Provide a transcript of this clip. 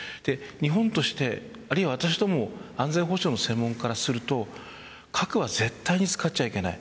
日本として、あるいは安全保障の専門家からすると核は絶対に使っちゃいけない。